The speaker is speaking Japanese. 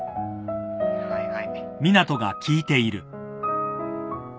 はいはい。